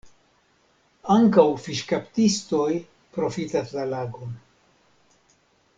Ankaŭ fiŝkaptistoj profitas la lagon.